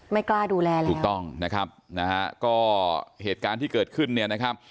กล้าดูแลเลยถูกต้องนะครับนะฮะก็เหตุการณ์ที่เกิดขึ้นเนี่ยนะครับ